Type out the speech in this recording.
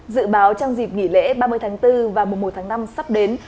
dự báo trong dịp nghỉ lễ ba mươi tháng bốn và mùa một tháng năm sắp đến